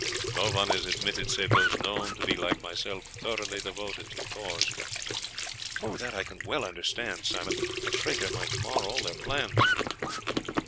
"No one is admitted save those known to be, like myself, thoroughly devoted to the cause." "That I can well understand, Simon; a traitor might mar all their plans."